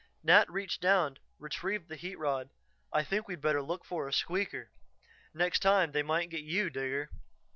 Nat reached down, retrieved the heat rod. "I think we'd better look for a 'squeaker'. Next time they might get you, Digger."